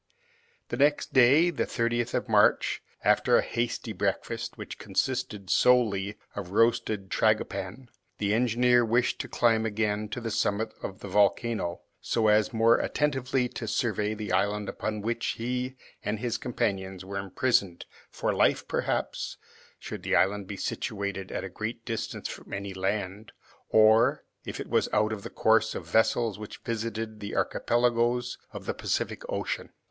The next day, the 30th of March, after a hasty breakfast, which consisted solely of the roasted tragopan, the engineer wished to climb again to the summit of the volcano, so as more attentively to survey the island upon which he and his companions were imprisoned for life perhaps, should the island be situated at a great distance from any land, or if it was out of the course of vessels which visited the archipelagoes of the Pacific Ocean.